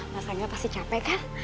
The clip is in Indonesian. mas rangga pasti capek kan